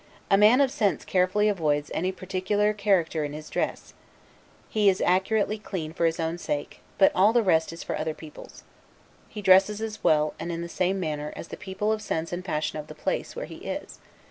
A man of sense carefully avoids any particular character in his dress; he is accurately clean for his own sake; but all the rest is for other people's. He dresses as well, and in the same manner, as the people of sense and fashion of the place where he is.